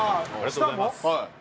はい。